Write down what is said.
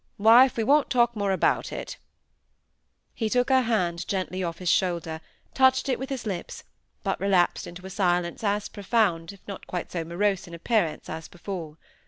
Wife, we won't talk more about it." He took her hand gently off his shoulder, touched it with his lips; but relapsed into a silence as profound, if not quite so morose in appearance, as before.